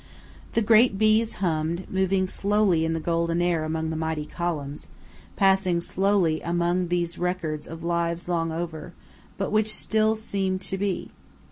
The great bees hummed, moving slowly in the golden air among the mighty columns, passing slowly among these records of lives long over, but which seemed still to be.